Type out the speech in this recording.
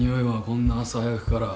こんな朝早くから。